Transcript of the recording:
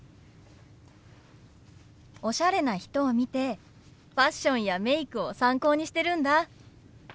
おしゃれな人を見てファッションやメイクを参考にしてるんだ。